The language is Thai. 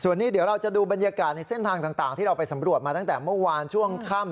ส่วนนี้เดี๋ยวเราจะดูบรรยากาศในเส้นทางต่างที่เราไปสำรวจมาตั้งแต่เมื่อวานช่วงค่ำ